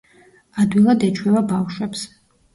ადვილად ეჩვევა ბავშვებს.